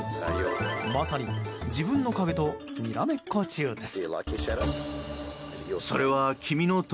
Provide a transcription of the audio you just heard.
まさに自分の影とにらめっこ中です。